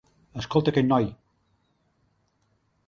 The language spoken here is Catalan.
Escolta aquell noi!